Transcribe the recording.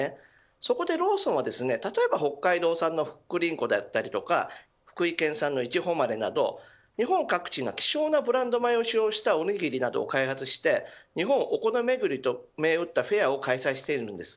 そこでローソンは、例えば北海道産のふっくりんこであったり福井県産のいちほまれなど日本各地の希少なブランド米を使用したおにぎりなどを開発して日本おこめめぐりと銘打ったフェアを開催しています。